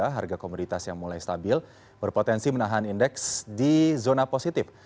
harga komoditas yang mulai stabil berpotensi menahan indeks di zona positif